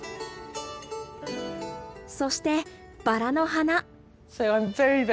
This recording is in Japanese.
そしてバラの花。